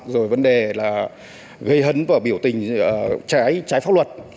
rồi vấn đề là gây hấn và biểu tình trái pháp luật